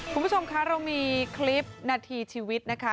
คุณผู้ชมคะเรามีคลิปนาทีชีวิตนะคะ